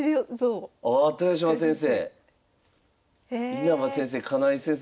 稲葉先生金井先生